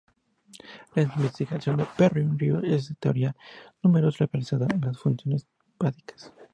La investigación de Perrin-Riou es en teoría de números, especializada en las funciones p-ádicas.